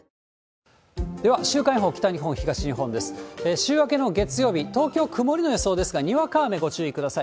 週明けの月曜日、東京、曇りの予想ですが、にわか雨ご注意ください。